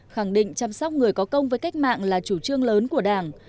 khẳng định chăm sóc người có công với cách mạng là chủ trương lớn của đảng